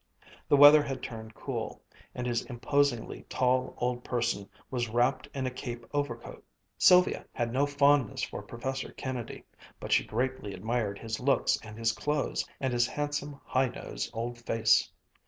The weather had turned cool, and his imposingly tall old person was wrapped in a cape overcoat. Sylvia had no fondness for Professor Kennedy, but she greatly admired his looks and his clothes, and his handsome, high nosed old face.